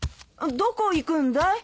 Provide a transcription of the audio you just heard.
どこ行くんだい？